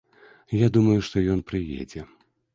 Я думаю, што ён прыедзе.